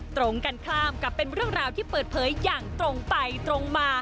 ตรงกันข้ามกับเป็นเรื่องราวที่เปิดเผยอย่างตรงไปตรงมา